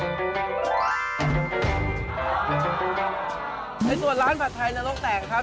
ในส่วนร้านผัดไทยนรกแตกครับ